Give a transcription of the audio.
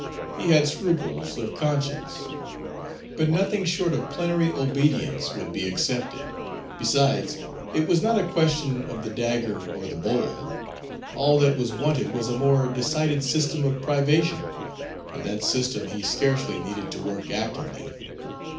He had scruples of conscience. But nothing short of plenary obedience would be accepted. Besides, it was not a question of the dagger or the bowl. All that was wanted was a more decided system of privation. And that system he scarcely needed to work actively.